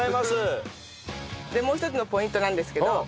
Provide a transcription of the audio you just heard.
もう一つのポイントなんですけど。